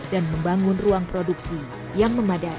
dan membangun ruang produksi yang memadai